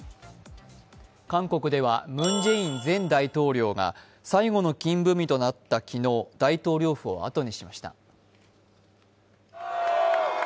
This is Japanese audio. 韓国ではムン・ジェイン前大統領が最後の勤務日となった昨日、大統領府を後にしました。